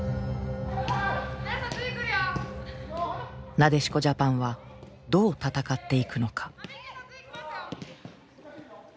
なでしこジャパンはどう戦っていくのか。